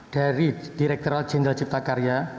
dari direkturat jenderal cipta karya